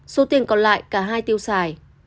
số tiền còn lại cả hai tiêu xài